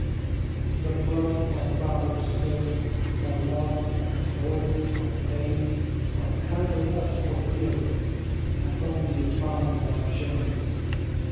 The blood our fathers spilt, Our love, our toils, our pains, Are counted us for guilt, And only bind our chains.